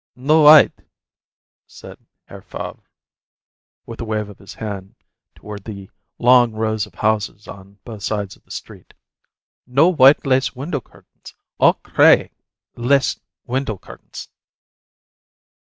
"No white," said Herr Favre, with a wave of his hand toward the long rows of houses on both sides of the street. "No white lace window curtains; all cray lace window curtains."